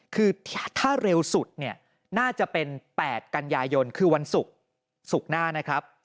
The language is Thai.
คือถ้าเร็วสุดน่าจะเป็น๘กัญญายนคือวันศุกร์ศุกร์หน้า